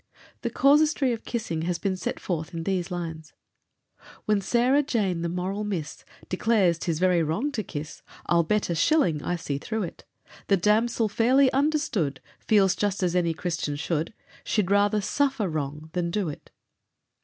The casuistry of kissing has been set forth in these lines: When Sarah Jane, the moral Miss, Declares 'tis very wrong to kiss, I'll bet a shilling I see through it! The damsel, fairly understood, Feels just as any Christian should, She'd rather suffer wrong than do it.